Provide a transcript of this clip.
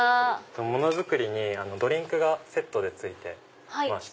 物作りにドリンクがセットで付いてまして。